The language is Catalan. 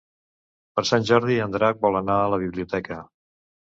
Per Sant Jordi en Drac vol anar a la biblioteca.